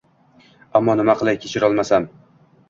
Ammo nima qilay kechirolmasam